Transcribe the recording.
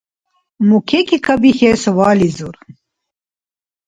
Мукеки кабихьес вализур.